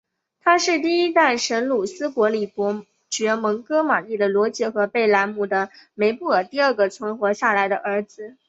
他是第一代什鲁斯伯里伯爵蒙哥马利的罗杰和贝莱姆的梅布尔第二个存活下来的儿子。